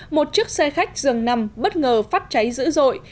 một chiếc xe khách dường nằm bất ngờ phát cháy dữ dội